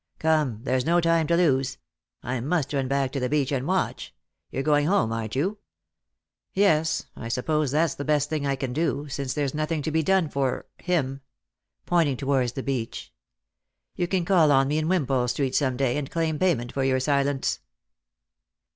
Come, there's no time to lose. I must run back to the beach and watch. You're going home, aren't you ?"" Yes, I suppose that's the best thing I can do, since there's nothing to be done for — him," pointing towards the beach. " You can call on me in Wimpole street some day, and claim payment for your silence."